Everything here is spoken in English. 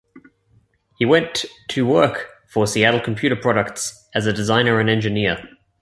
He went to work for Seattle Computer Products as a designer and engineer.